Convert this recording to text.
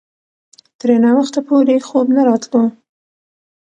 ترې ناوخته پورې خوب نه راتلو.